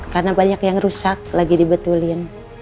karena banyak yang rusak lagi dibetulin